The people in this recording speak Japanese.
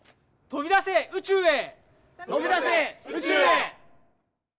とびだせ宇宙へ。